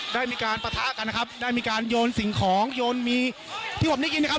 ได้มีการปะทะกันนะครับได้มีการโยนสิ่งของโยนมีที่ผมได้ยินนะครับ